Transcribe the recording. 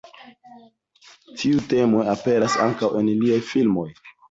Tiuj temoj aperas ankaŭ en liaj filmoj.